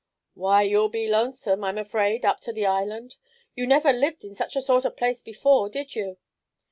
"Why, you'll be lonesome, I'm afraid, up to the island. You never lived in such a sort of a place before, did you?"